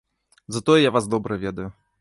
Затое я вас добра ведаю.